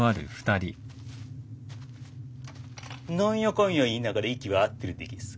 何やかんや言いながら息は合ってるでげす。